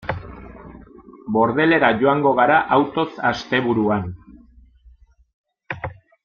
Bordelera joango gara autoz asteburuan.